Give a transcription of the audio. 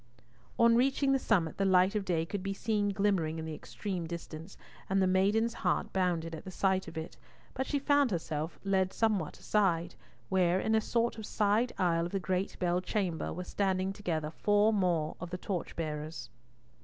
On reaching the summit the light of day could be seen glimmering in the extreme distance, and the maiden's heart bounded at the sight of it; but she found herself led somewhat aside, where in a sort of side aisle of the great bell chamber were standing together four more of the torch bearers.